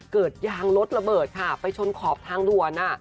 เกิดยางรถระเบิดค่ะไปชนขอบทางด่วน